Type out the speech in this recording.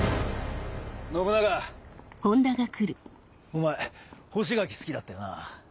お前干し柿好きだったよな？